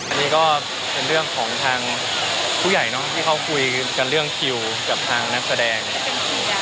อันนี้ก็เป็นเรื่องของทางผู้ใหญ่เนอะที่เขาคุยกันเรื่องคิวกับทางนักแสดงนะครับ